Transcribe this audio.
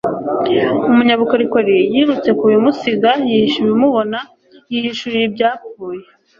umunyabukorikori yirutse ku bimusiga, yihisha ibimubona, yihishurira ibyapfuye